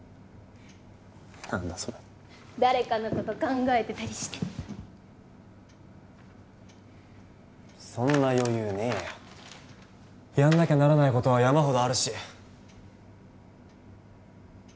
何だそれ誰かのこと考えてたりしてそんな余裕ねえよやんなきゃならないことは山ほどあるしそうだね